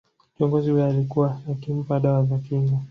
Kiongozi huyo alikuwa akimpa dawa za kinga